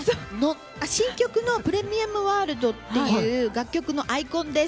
新曲の「プレミアムワールド」という楽曲のアイコンです。